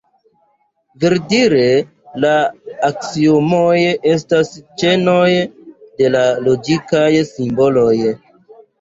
Verdire, la aksiomoj estas ĉenoj de logikaj simboloj.